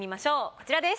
こちらです。